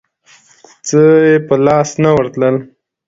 څه یې په لاس نه ورتلل.